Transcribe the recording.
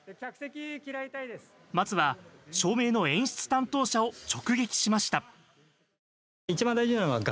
まずは、照明の演出担当者を直撃しました。